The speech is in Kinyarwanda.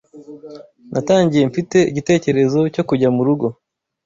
Natangiye mfite igitekerezo cyo kujya mu rugo